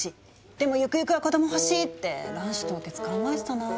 でもゆくゆくは子ども欲しい」って卵子凍結考えてたな。